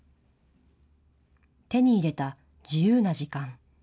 手に入れた自由な時間。